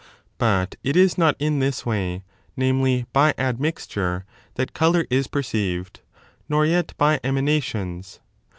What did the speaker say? But it is not in this way, namely, by admixture, that colour is perceived, nor yet by emanations.